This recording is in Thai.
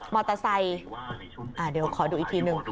มอเตอร์ไซอ่าเดี๋ยวขอดูอีกทีหนึ่ง